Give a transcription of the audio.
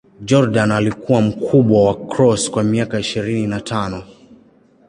Jordan alikuwa mkubwa wa Cross kwa miaka ishirini na tano.